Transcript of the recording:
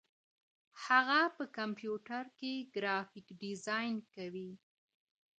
هغه په کمپيوټر کي ګرافيک ډيزاين کوي.